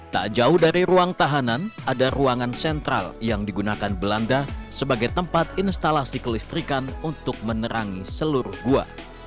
tak jauh dari ruang tahanan ada ruangan sentral yang digunakan belanda sebagai tempat instalasi kelistrikan untuk menerangi seluruh gua